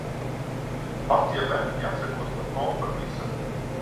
Pat, ja lepni atsakos no kompromisa.